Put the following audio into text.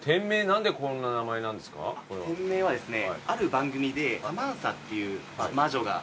店名はですね。